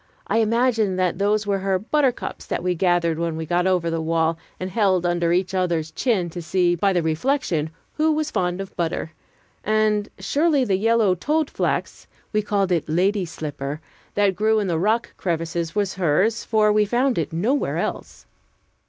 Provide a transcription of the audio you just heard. I imagined that those were her buttercups that we gathered when we got over the wall, and held under each other's chin, to see, by the reflection, who was fond of butter; and surely the yellow toadflax (we called it "lady's slipper") that grew in the rock crevices was hers, for we found it nowhere else.